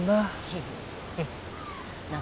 はい？